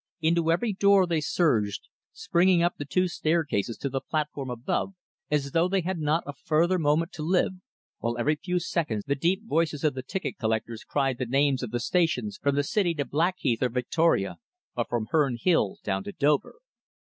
Into every door they surged, springing up the two staircases to the platform above as though they had not a further moment to live, while every few seconds the deep voices of the ticket collectors cried the names of the stations from the City to Blackheath or Victoria, or from Herne Hill down to Dover.